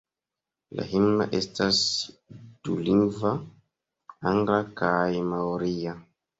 La himno estas dulingva: angla kaj maoria.